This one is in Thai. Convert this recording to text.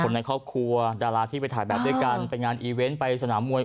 ในครอบครัวดาราที่ไปถ่ายแบบด้วยกันไปงานอีเวนต์ไปสนามมวย